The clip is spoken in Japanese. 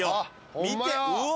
見てうわ！